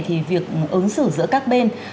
thì việc ứng xử giữa các bên